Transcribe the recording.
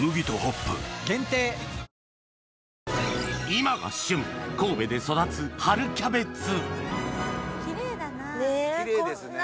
今が旬神戸で育つ春キャベツキレイだな。